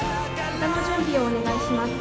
旗の準備をお願いします。